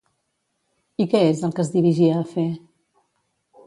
I què és el que es dirigia a fer?